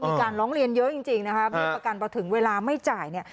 มีการร้องเรียนเยอะจริงจริงนะคะมีประกันพอถึงเวลาไม่จ่ายเนี่ย